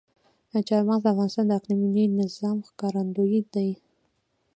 چار مغز د افغانستان د اقلیمي نظام ښکارندوی ده.